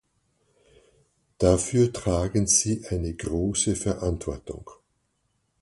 Dafür tragen Sie eine große Verantwortung.